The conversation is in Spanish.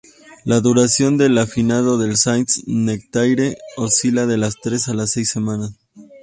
La duración del afinado del saint-nectaire oscila de las tres a las seis semanas.